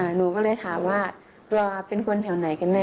หนูก็เลยถามว่าตัวเป็นคนแถวไหนกันแน